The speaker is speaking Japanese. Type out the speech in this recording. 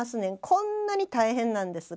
こんなに大変なんです。